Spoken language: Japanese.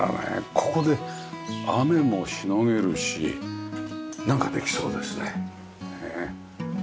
ここで雨もしのげるしなんかできそうですね。